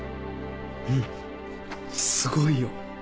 うんすごいよ。